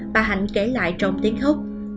bà hạnh kể lại trong tiếng khúc